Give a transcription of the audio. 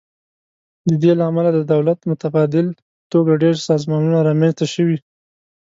د دې له امله د دولت متبادل په توګه ډیر سازمانونه رامینځ ته شوي.